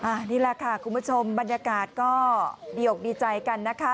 อันนี้แหละค่ะคุณผู้ชมบรรยากาศก็ดีอกดีใจกันนะคะ